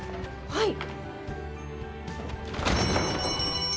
はい！